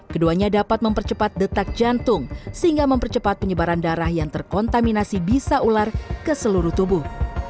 keduanya dapat mempercepat detak jantung sehingga mempercepat penyebaran darah yang terkontaminasi bisa ular ke seluruh tubuh